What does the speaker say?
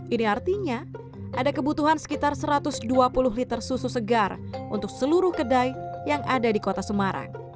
ini artinya ada kebutuhan sekitar satu ratus dua puluh liter susu segar untuk seluruh kedai yang ada di kota semarang